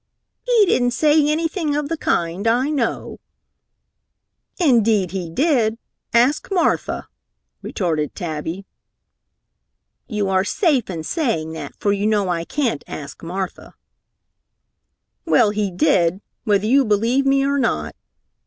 "He didn't say anything of the kind, I know." "Indeed he did! Ask Martha!" retorted Tabby. "You are safe in saying that, for you know I can't ask Martha." "Well, he did, whether you believe me or not!"